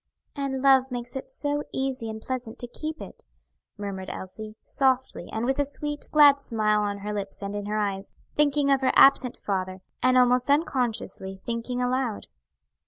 "And love makes it so easy and pleasant to keep it," murmured Elsie, softly, and with a sweet, glad smile on her lips and in her eyes, thinking of her absent father, and almost unconsciously thinking aloud.